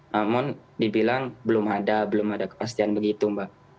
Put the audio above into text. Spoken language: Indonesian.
namun dibilang belum ada belum ada kepastian begitu mbak